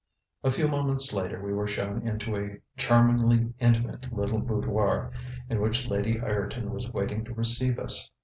A few moments later we were shown into a charmingly intimate little boudoir in which Lady Ireton was waiting to receive us.